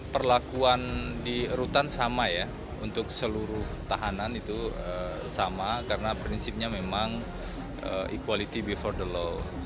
perlakuan di rutan sama ya untuk seluruh tahanan itu sama karena prinsipnya memang equality before the law